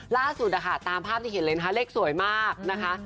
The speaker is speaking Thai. ล่าสุดนะคะตามภาพที่เห็นเลยนะคะเลขสวยมากนะคะ